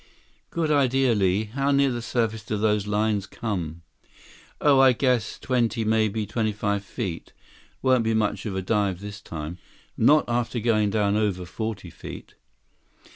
"Good idea, Li. How near the surface do those loose lines come?" "Oh, I'd guess twenty, maybe twenty five feet. Won't be much of a dive this time. Not after going down over forty feet."